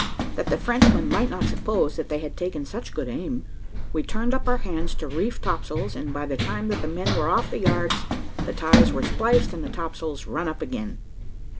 That the Frenchmen might not suppose that they had taken such good aim, we turned up our hands to reef topsails; and by the time that the men were off the yards, the ties were spliced, and the topsails run up again."